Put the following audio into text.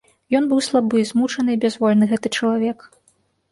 Ён быў слабы, змучаны і бязвольны, гэты чалавек.